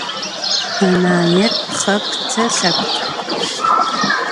Anaêr pxhe pıte lhepkh.